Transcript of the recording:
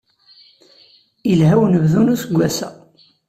Ilha unebdu n useggas-a.